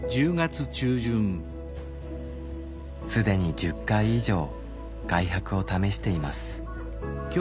既に１０回以上外泊を試しています。